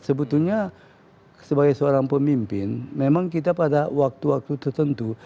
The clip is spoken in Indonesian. sebetulnya sebagai seorang pemimpin memang kita pada waktu waktu tertentu